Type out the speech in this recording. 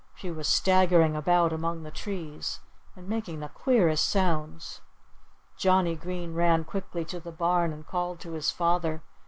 She was staggering about among the trees and making the queerest sounds. Johnnie Green ran quickly to the barn and called to his father.